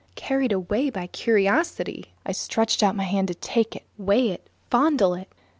Carried away by curiosity, I stretched out my hand to take it, weigh it, fondle it!